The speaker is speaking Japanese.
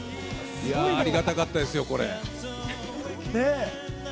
ありがたかったですよ。